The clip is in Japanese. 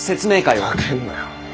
ふざけんなよ。